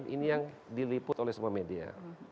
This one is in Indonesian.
ini yang diliput oleh semua media